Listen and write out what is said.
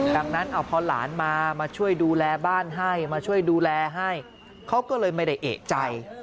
ดังนั้นเอาพอหลานมามาช่วยดูแลบ้านให้มาช่วยดูแลให้เขาก็เลยไม่ได้เอกใจ